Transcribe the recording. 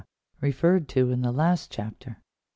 referred to in the last chapter.